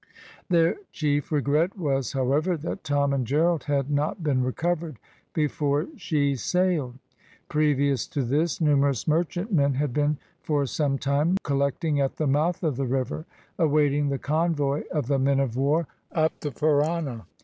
Their chief regret was, however, that Tom and Gerald had not been recovered before she sailed. Previous to this, numerous merchantmen had been for some time collecting at the mouth of the river, awaiting the convoy of the men of war up the Parana.